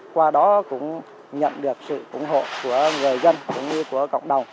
qua đó cũng nhận được sự ủng hộ của người dân cũng như của cộng đồng